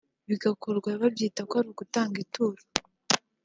bigakorwa babyita ko ari ugutangaho ituro